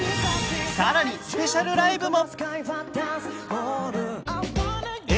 さらにスペシャルライブも！